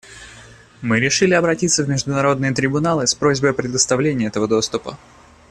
Мы решили обратиться в международные трибуналы с просьбой о предоставлении этого доступа.